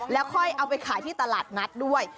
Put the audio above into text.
แล้วค่อยเอาไปขายที่ตลาดนัดด้วย